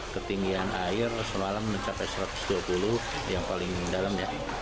ketinggian air semalam mencapai satu ratus dua puluh yang paling dalam ya